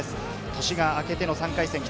年が明けての３回戦。